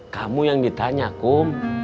kamu yang ditanya kum